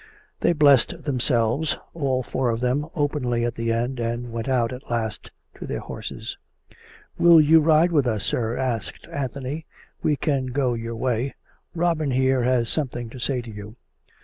They blessed themselves, all four of them, openly at the end, and went out at last to their horses. " Will you ride with us, sir ?" asked Anthony ;" we can go your way. Robin here has something to say to you."